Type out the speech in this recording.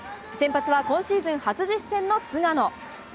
先発は今シーズン初実戦の菅野。